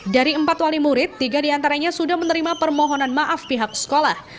dari empat wali murid tiga diantaranya sudah menerima permohonan maaf pihak sekolah